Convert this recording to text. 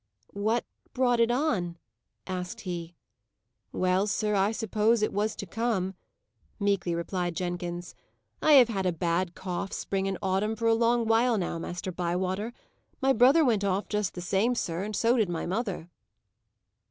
"What brought it on?" asked he. "Well, sir, I suppose it was to come," meekly replied Jenkins. "I have had a bad cough, spring and autumn, for a long while now, Master Bywater. My brother went off just the same, sir, and so did my mother."